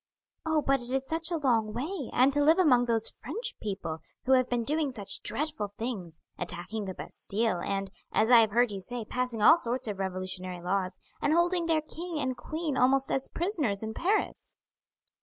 "Oh, but it is such a long way, and to live among those French people, who have been doing such dreadful things, attacking the Bastille, and, as I have heard you say, passing all sorts of revolutionary laws, and holding their king and queen almost as prisoners in Paris!"